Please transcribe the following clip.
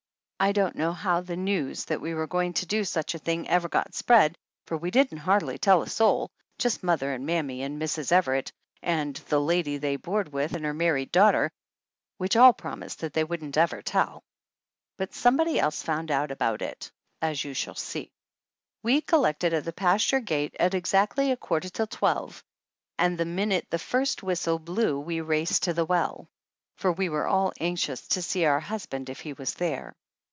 I don't know how the news that we were go ing to do such a thing ever got spread, for we didn't tell hardly a soul just mother and mammy and Mrs. Everett and the lady they board with and her married daughter, which all promised that they wouldn't ever tell, but some body else found out about it, as you shall see. 174 THE ANNALS OF ANN We collected at the pasture gate at exactly a quarter to twelve and the minute the first whistle blew we raced to the well, for we were all anxious to see our husband if he was there.